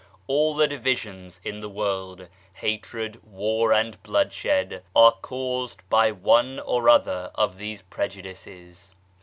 All the divisions in the world, hatred, war and blood shed, are caused by one or other of these prejudices.